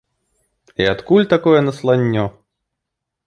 І адкуль такое насланнё?